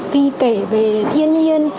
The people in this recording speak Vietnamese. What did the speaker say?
khi kể về thiên nhiên